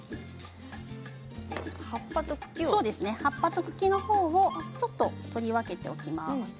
葉っぱと茎の方をちょっと取り分けておきます。